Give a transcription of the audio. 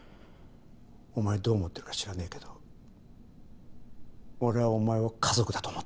お前はどう思ってるか知らねえけど俺はお前を家族だと思ってる。